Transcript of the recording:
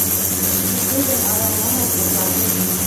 Уке гын арамланак кошаргет.